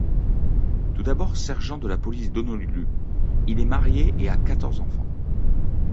Tout d'abord sergent de la police d'Honolulu, il est marié et a quatorze enfants.